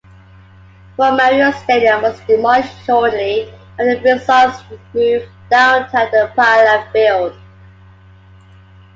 War Memorial Stadium was demolished shortly after the Bisons moved downtown to Pilot Field.